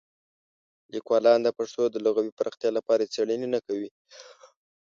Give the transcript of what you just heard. لیکوالان د پښتو د لغوي پراختیا لپاره څېړنې نه کوي.